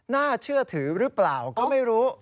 น่าเชื่อถือหรือเปล่าก็ไม่รู้